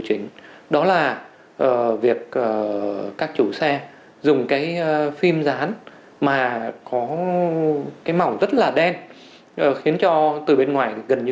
chính đó là việc các chủ xe dùng cái phim dán mà có cái mỏng rất là đen khiến cho từ bên ngoài gần như